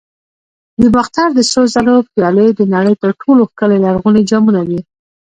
د باختر د سرو زرو پیالې د نړۍ تر ټولو ښکلي لرغوني جامونه دي